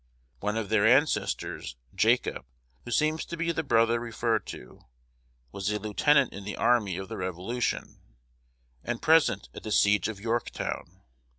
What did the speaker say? One of their ancestors, Jacob, who seems to be the brother referred to, was a lieutenant in the army of the Revolution, and present at the siege of Yorktown.